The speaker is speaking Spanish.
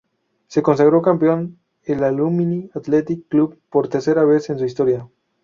Se consagró campeón el Alumni Athletic Club, por tercera vez en su historia.